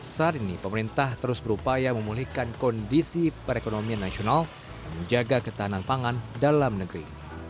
saat ini pemerintah terus berupaya memulihkan kondisi perekonomian nasional dan menjaga ketahanan pangan dalam negeri